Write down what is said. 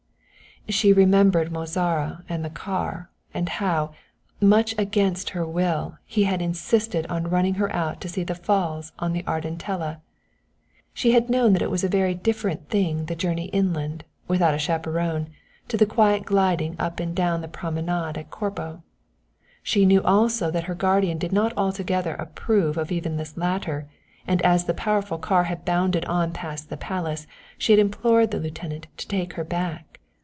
She remembered Mozara and the car, and how, much against her will, he had insisted on running her out to see the Falls on the Ardentella. She had known that it was a very different thing the journey inland, without a chaperone, to the quiet gliding up and down the promenade at Corbo. She knew also that her guardian did not altogether approve of even this latter, and as the powerful car had bounded on past the palace, she had implored the lieutenant to take her back.